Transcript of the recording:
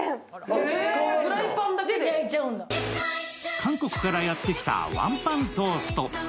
韓国からやってきたワンパントースト。